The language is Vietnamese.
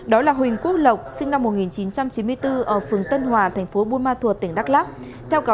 đó là huỳnh quốc lộc sinh năm một nghìn chín trăm chín mươi bốn ở phường tân hòa thành phố buôn ma thuột tỉnh đắk lắc